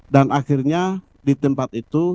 dan akhirnya di tempat itu